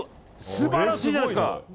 素晴らしいじゃないですか。